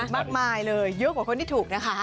มากมายเลยเยอะกว่าคนที่ถูกนะคะ